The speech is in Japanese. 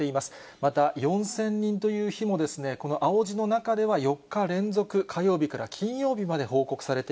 また４０００人という日も、この青字の中では４日連続、火曜日から金曜日まで報告されて